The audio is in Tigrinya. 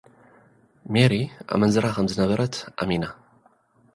ሜሪ፡ ኣመንዝራ ከም ዝነበረት ኣሚና።